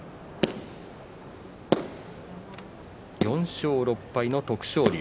４勝６敗の徳勝龍。